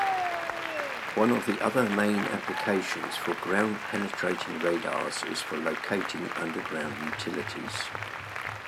One of the other main applications for ground-penetrating radars is for locating underground utilities.